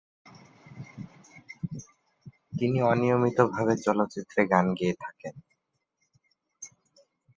তিনি অনিয়মিতভাবে চলচ্চিত্রে গান গেয়ে থাকেন।